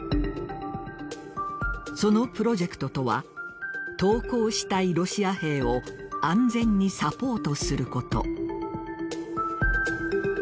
そのプロジェクトとは投降したいロシア兵を安全にサポートすること。